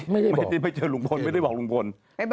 ไม่ได้ไปเจอลุงพลไม่ได้บอกลุงพล